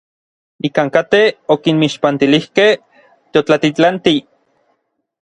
Nikankatej okinmixpantilijkej teotlatitlantij.